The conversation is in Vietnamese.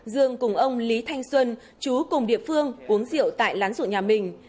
dương cùng ông lý thanh xuân chú cùng địa phương uống rượu tại lán dụ nhà mình